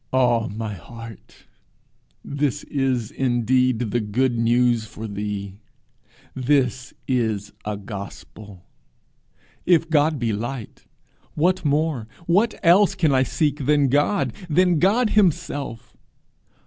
Ah, my heart, this is indeed the good news for thee! This is a gospel! If God be light, what more, what else can I seek than God, than God himself!